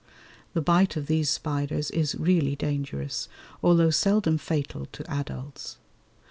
The bite of these spiders is really dangerous, although seldom fatal to adults.